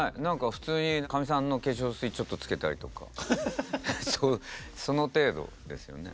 普通にかみさんの化粧水ちょっとつけたりとかその程度ですよね。